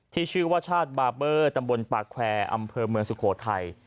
ที่ชื่อว่าชาติบาเบอร์ตำบลปากแควร์อำเภอเมืองสุโขทัย